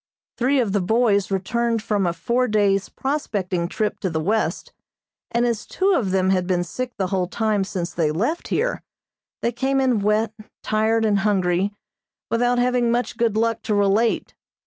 Three of the boys returned from a four days' prospecting trip to the west, and as two of them had been sick the whole time since they left here, they came in wet, tired and hungry, without having much good luck to relate.